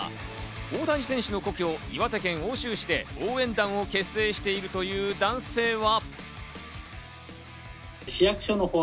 大谷選手の故郷、岩手県奥州市で応援団を結成しているという男性は。